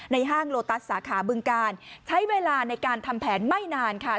ห้างโลตัสสาขาบึงการใช้เวลาในการทำแผนไม่นานค่ะ